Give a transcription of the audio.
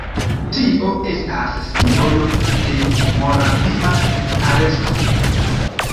Tio estas simbolo de Moravia karsto.